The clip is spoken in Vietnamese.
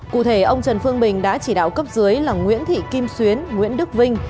cụ thể ông trần phương bình đã chỉ đạo cấp dưới là nguyễn thị kim xuyến nguyễn đức vinh